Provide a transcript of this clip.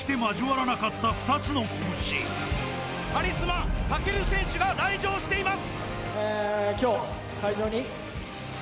カリスマ武尊選手が来場しています！